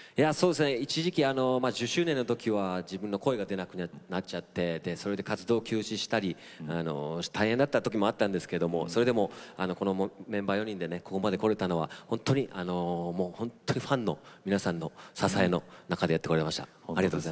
一時期、１０周年の時は自分の声が出なくなっちゃってそれで活動を休止したり大変な時もあったんですけどそれでも、このメンバー４人でここまでこられたのは本当に本当にファンの皆さんの支えの中でやってこられました。